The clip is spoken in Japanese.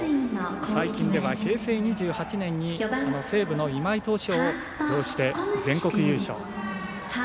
最近では平成２８年に西武の今井投手を擁して全国優勝。